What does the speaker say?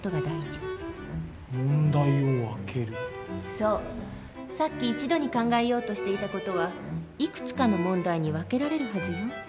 そうさっき一度に考えようとしていた事はいくつかの問題に分けられるはずよ。